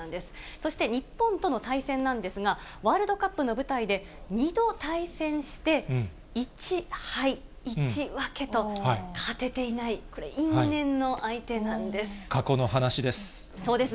そして日本との対戦なんですが、ワールドカップの舞台で２度対戦して、１敗１分と、勝てていない、これ、因縁の相手なんです。